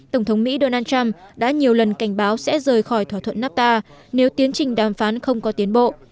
tổng thống mỹ donald trump đã nhiều lần cảnh báo sẽ rời khỏi thỏa thuận nafta nếu tiến trình đàm phán không có tiến bộ